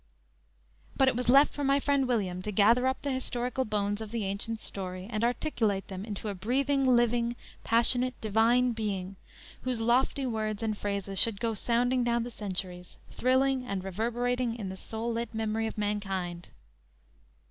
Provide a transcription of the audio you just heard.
But it was left for my friend William to gather up the historical bones of the ancient story, and articulate them into a breathing, living, passionate, divine being, whose lofty words and phrases should go sounding down the centuries, thrilling and reverberating in the soul lit memory of mankind.